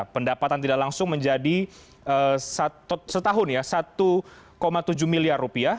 pendapatan tidak langsung menjadi setahun ya satu tujuh miliar rupiah